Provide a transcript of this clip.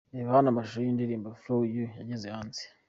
Reba hano amashusho y'indirimbo Follow you yageze hanze.